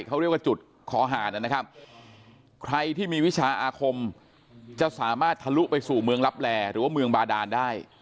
เขาเรียกว่าจุดคอหารนะครับใครที่มีวิชาอาคมจะสามารถทะลุไปสู่เมืองลับแลหรือว่าเมืองบาดานได้